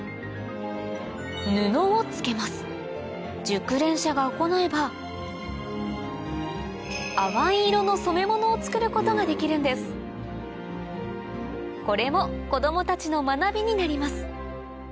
熟練者が行えば淡い色の染め物を作ることができるんですこれも子供たちの学びになります